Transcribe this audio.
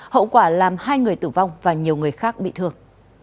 hậu quả làm hai người tử vong và nhiều người khác bị thương